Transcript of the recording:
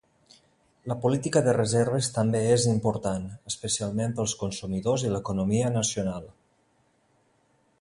La política de reserves també és important, especialment pels consumidors i l"economia nacional.